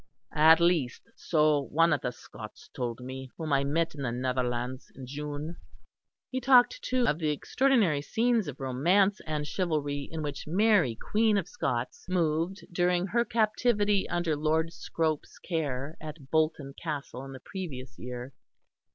At least, so one of the Scots told me whom I met in the Netherlands in June." He talked, too, of the extraordinary scenes of romance and chivalry in which Mary Queen of Scots moved during her captivity under Lord Scrope's care at Bolton Castle in the previous year.